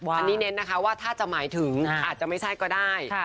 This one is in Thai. อันนี้เน้นนะคะว่าถ้าจะหมายถึงอาจจะไม่ใช่ก็ได้